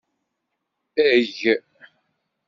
Eg.